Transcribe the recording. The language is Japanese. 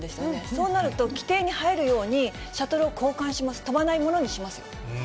そうなると、規定に入るように、シャトルを交換します、飛ばないものにします。